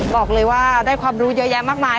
บอกเลยว่าได้ความรู้เยอะแยะมากมาย